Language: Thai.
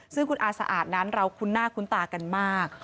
ซึ่งคุณอาสะอาดนั้นเราคุ้นหน้าคุ้นตากันมาก